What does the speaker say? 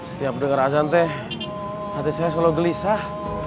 setiap dengar azan teh hati saya selalu gelisah